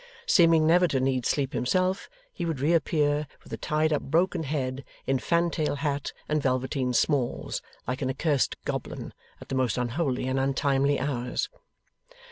Seeming never to need sleep himself, he would reappear, with a tied up broken head, in fantail hat and velveteen smalls, like an accursed goblin, at the most unholy and untimely hours.